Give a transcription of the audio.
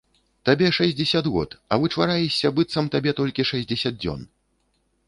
Табе шэсцьдзесят год, а вычвараешся, быццам табе толькі шэсцьдзесят дзён.